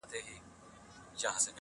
د جنوري پر اووه لسمه -